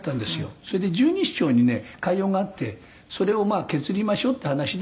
「それで十二指腸にね潰瘍があってそれを削りましょうっていう話で」